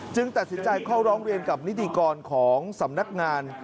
ตัดสินใจเข้าร้องเรียนกับนิติกรของสำนักงาน